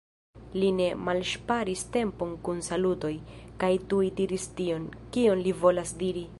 Li ne malŝparis tempon kun salutoj, kaj tuj diris tion, kion li volas diri.